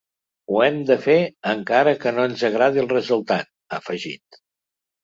“Ho hem de fer encara que no ens agradi el resultat”, ha afegit.